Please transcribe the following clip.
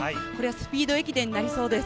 スピード駅伝になりそうです。